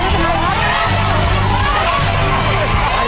มันจะเลือกมือเลย